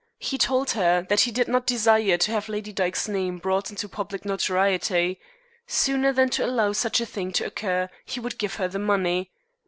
He told her that he did not desire to have Lady Dyke's name brought into public notoriety. Sooner than to allow such a thing to occur he would give her the money.